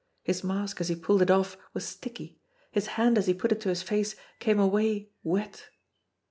His mask as he pulled it off was sticky ; his hand as he put it to his face came away wet.